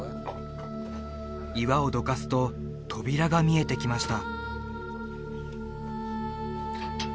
岩をどかすと扉が見えてきました